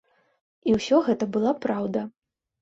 І ўсё гэта была праўда.